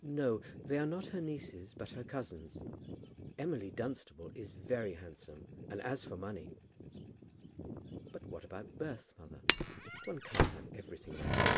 "No; they are not her nieces but her cousins. Emily Dunstable is very handsome; and as for money !" "But what about birth, mother?" "One can't have everything, my dear."